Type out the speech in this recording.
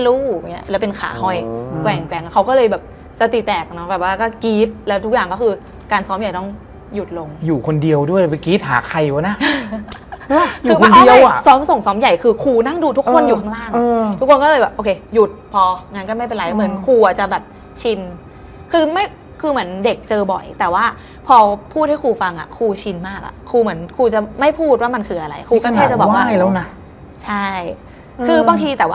หรืออะไรก็ตามที่เกิดขึ้นตอนนั้นน่ะไม่รู้มันคืออะไร